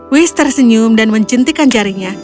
whis tersenyum dan mencintikan jarinya